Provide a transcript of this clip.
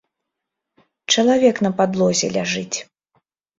Чалавек на падлозе ляжыць.